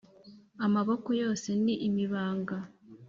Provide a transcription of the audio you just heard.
amaboko yose ni imibanga